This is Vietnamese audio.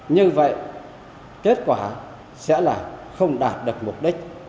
như vậy kết quả sẽ là không đạt được mục đích